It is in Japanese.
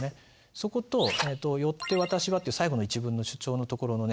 そこと「よって私は」っていう最後の１文の主張のところのね